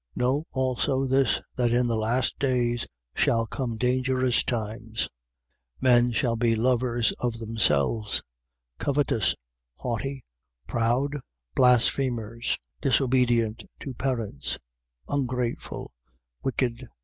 3:1. Know also this, that in the last days shall come dangerous times. 3:2. Men shall be lovers of themselves, covetous, haughty, proud, blasphemers, disobedient to parents, ungrateful, wicked, 3:3.